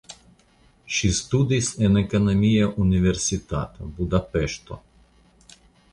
Ŝi studis en Ekonomia Universitato (Budapeŝto).